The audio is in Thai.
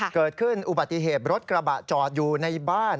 อุบัติเหตุรถกระบะจอดอยู่ในบ้าน